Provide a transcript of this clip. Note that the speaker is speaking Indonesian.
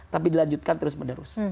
tapi dilanjutkan terus menerus